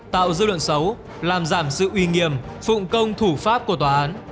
tạo dư luận xấu làm giảm sự uy nghiêm phụng công thủ pháp của tòa án